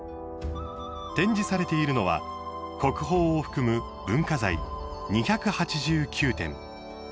展示されているのは国宝を含む文化財２８９点。